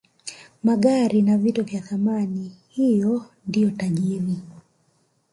magari na vito vya thamani huyo ndio tajiri